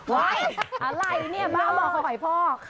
เฮ้ยอะไรเนี่ยบ้างบอกขอไขพ่อ